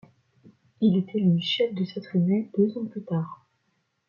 Il est élu chef de sa tribu deux ans plus tard.